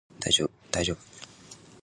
大丈夫